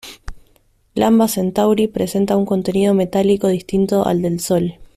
Lambda Centauri presenta un contenido metálico distinto al del Sol.